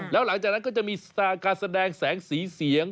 แล้วหลังจากนั้นก็จะมีสตาร์การแสดงแสงสีเสียง